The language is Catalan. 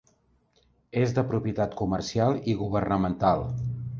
És de propietat comercial i governamental.